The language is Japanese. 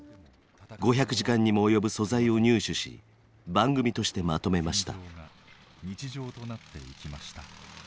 ５００時間にも及ぶ素材を入手し番組としてまとめました。